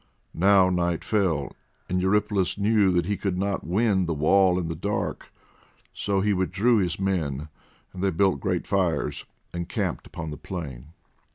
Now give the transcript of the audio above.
Now night fell, and Eurypylus knew that he could not win the wall in the dark, so he withdrew his men, and they built great fires, and camped upon the plain.